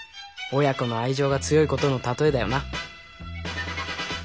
親子の愛情が強いことの例えだよな。